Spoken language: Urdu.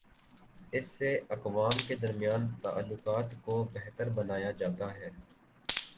اس سے اقوام کے درمیان تعلقات کو بہتر بنایا جا تا ہے۔